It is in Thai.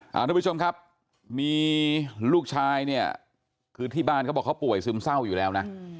ทุกผู้ชมครับมีลูกชายเนี่ยคือที่บ้านเขาบอกเขาป่วยซึมเศร้าอยู่แล้วนะ